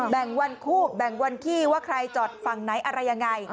แบ่งวันคู่แบ่งวันที่ว่าใครจอดฝั่งไหนอะไรยังไง